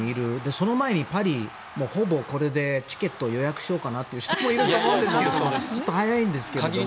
その前にパリほぼこれで、チケットを予約しようかなって人もいると思うんですけどちょっと早いんですけど。